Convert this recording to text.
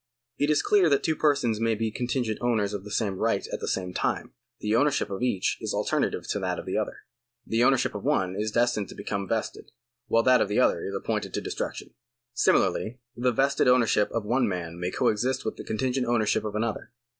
It is clear that two persons may be contingent owners of the same right at the same time. The ownership of each is alternative to that of the other. The ownership of one is destined to become vested, while that of the other is ap pointed to destruction. Similarly the vested ownership of one man may co exist with the contingent ownership of another.